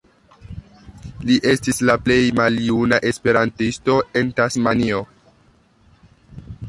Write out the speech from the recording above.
Li estis la plej maljuna esperantisto en Tasmanio.